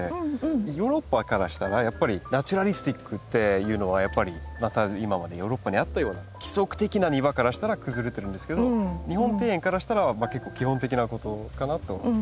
ヨーロッパからしたらやっぱりナチュラリスティックっていうのはやっぱりまた今までヨーロッパにあったような規則的な庭からしたら崩れてるんですけど日本庭園からしたら結構基本的なことかなと。